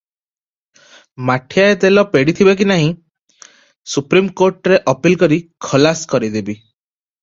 ମାଠିଆଏ ତେଲ ପେଡ଼ିଥିବେକି ନାହିଁ, ସୁପ୍ରିମ କୋର୍ଟରେ ଅପିଲ କରି ଖଲାସ କରାଇଦେବି ।